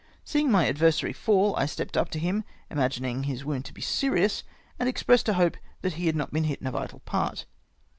Seeing my adversary fall, I stepped up to him — imagining his wound to be serious — and expressed a hope that he had not been hit in a vital part.